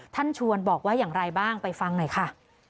ท่านชวนบอกว่าอย่างไรบ้างไปฟังหน่อยค่ะ